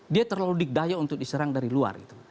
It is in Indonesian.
dia terlalu dikdaya untuk diserang dari luar gitu